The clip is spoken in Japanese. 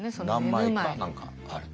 何枚か何かあると。